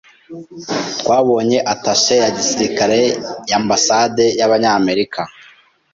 Twabonye attaché ya gisirikare ya Ambasade y'Abanyamerika.